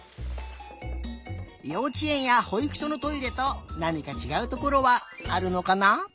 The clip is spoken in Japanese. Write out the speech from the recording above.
ようちえんやほいくしょのトイレとなにかちがうところはあるのかな？